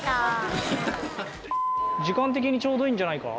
時間的にちょうどいいんじゃないか？